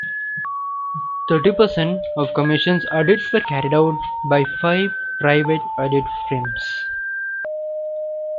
Thirty percent of the Commission's audits were carried out by five private audit firms.